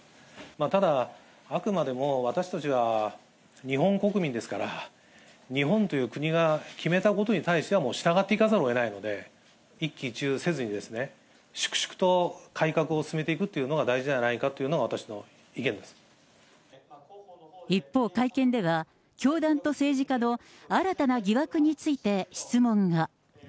ただ、あくまでも私たちは日本国民ですから、日本という国が決めたことに対しては、もう従っていかざるをえないので、一喜一憂せずに、粛々と改革を進めていくというのが大事ではないかというのが、私一方、会見では、教団と政治家の新たな疑惑について質問が。